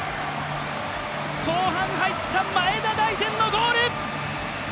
後半入った前田大然のゴール！